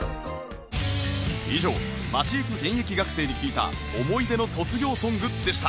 以上街行く現役学生に聞いた思い出の卒業ソングでした